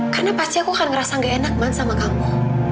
karena pasti aku akan ngerasa gak enak man sama kamu